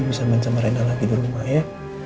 bisa main sama rena lagi di rumah ya